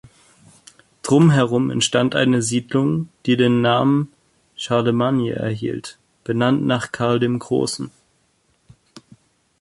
Drumherum entstand eine Siedlung, die den Namen Charlemagne erhielt, benannt nach Karl dem Großen.